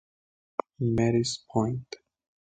Marys Point.